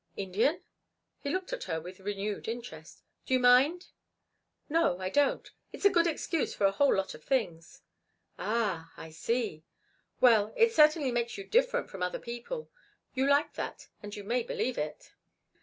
"Indian?" He looked at her with renewed interest. "Do you mind?" "No, I don't. It's a good excuse for a whole lot of things." "Ah, I see. Well, it certainly makes you different from other people. You like that and you may believe it."